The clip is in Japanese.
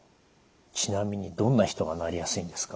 ちなみにどんな人がなりやすいんですか？